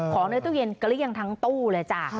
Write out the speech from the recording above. ของในตู้เย็นเกลี้ยงทั้งตู้เลยจ้ะ